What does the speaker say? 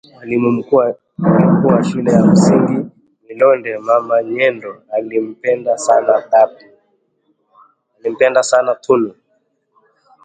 Mwalimu mkuu wa shule ya msingi Milonde, Mama Nyembo alimpenda sana Tunu